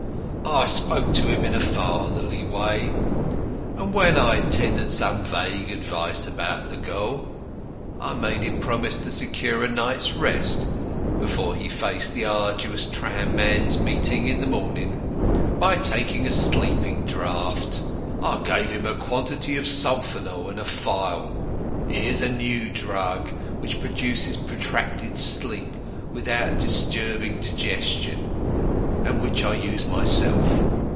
I spoke to him in a fatherly way, and when I had tendered some vague advice about the girl, I made him promise to secure a night's rest (before he faced the arduous tram men's meeting in the morning) by taking a sleeping draught. I gave him a quantity of sulfonal in a phial. It is a new drug, which produces protracted sleep without disturbing digestion, and which I use myself.